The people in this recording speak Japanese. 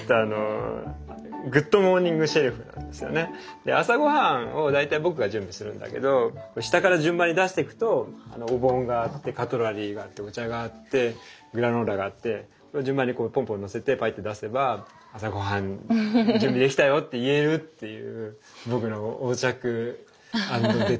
で朝ごはんを大体僕が準備するんだけど下から順番に出してくとお盆があってカトラリーがあってお茶があってグラノーラがあってそれを順番にポンポンのせてポイッて出せば「朝ごはん準備できたよ」って言えるっていううわいいアイデア！